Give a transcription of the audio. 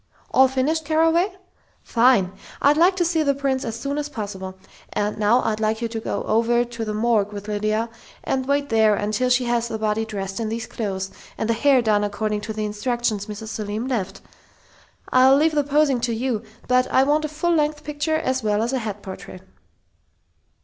All finished, Carraway?... Fine! I'd like to see the prints as soon as possible, and now I'd like you to go over to the morgue with Lydia, and wait there until she has the body dressed in these clothes, and the hair done according to the instructions Mrs. Selim left.... I'll leave the posing to you, but I want a full length picture as well as a head portrait."